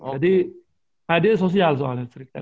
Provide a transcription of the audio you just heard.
jadi hadiahnya sosial soalnya street tag